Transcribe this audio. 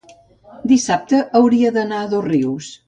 dissabte hauria d'anar a Dosrius.